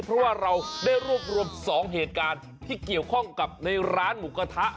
เพราะว่าเราได้รวบรวม๒เหตุการณ์ที่เกี่ยวข้องกับในร้านหมูกระทะ